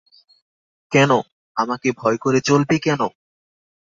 কেন, আমাকে ভয় করে চলবে কেন?